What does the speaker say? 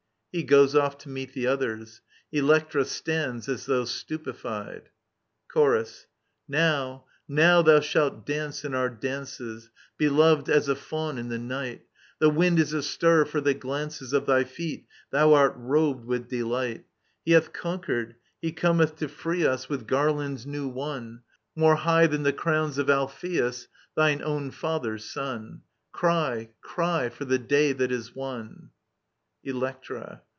[Hi goes off to meet the others — Elbctra stands as though stupefied. Chorus. Now, now thou shalt dance in our dances, Beloved, as a fiiwn in the night I The wind is astir for the glances Of thy feet ; thou art robed with delight. Digitized by VjOOQIC 56 EURIPIDES He hath conquered, he cometh to free us With garlands new won, More high than the crowns of AIpheQs, Thine own Cither's son : Cry, cry, for the day that is won I Electra.